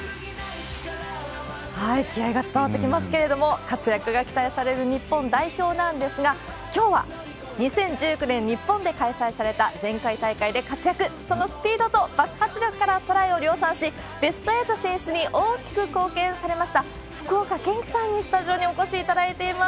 気合いが伝わってきますけれども、活躍が期待される日本代表なんですが、きょうは２０１９年日本で開催された前回大会で活躍、そのスピードと爆発力からトライを量産し、ベスト８進出に大きく貢献されました福岡堅樹さんに、スタジオにお越しいただいています。